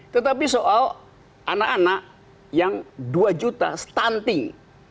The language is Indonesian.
tetapi soal anak anak yang dua juta stunting